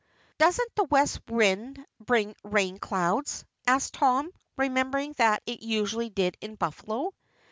"Doesn't the west wind bring rain clouds?" asked Tom, remembering that it usually did in Buffalo.